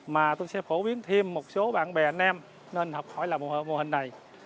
nó sẽ phổ biến thêm một số bạn bè anh em nên học hỏi là mô hình này